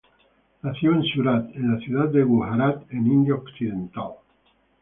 Nació en Surat, en la ciudad de Gujarat en India occidental.